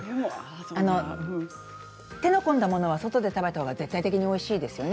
手の込んだものは外で食べたほうが絶対的においしいですよね